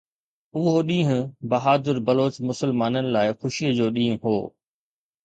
اهو ڏينهن بهادر بلوچ مسلمانن لاءِ خوشيءَ جو ڏينهن هو